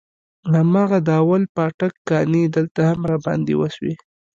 هماغه د اول پاټک کانې دلته هم راباندې وسوې.